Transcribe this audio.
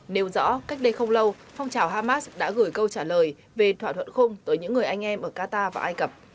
nếu rõ cách đây không lâu phong trào hamas đã gửi câu trả lời về thỏa thuận khung tới những người anh em ở qatar và ai cập